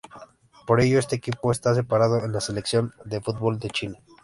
Por ello este equipo está separado de la selección de fútbol de China.